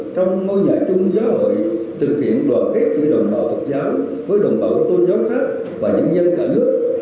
trong ngôi nhà chung giáo hội thực hiện đoàn kết giữa đồng bào phật giáo với đồng bào tôn giáo khác và nhân dân cả nước